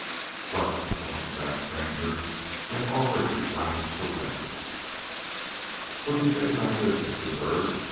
But the hump backed stranger had already lounged away. "What do you think about this, Mr. Byrd?"